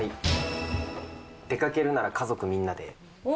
出かけるなら家族みんなで。